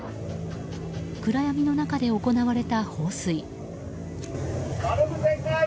暗闇の中で行われた放水。